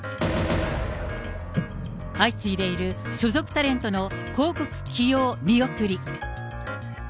相次いでいる所属タレントの広告起用見送り。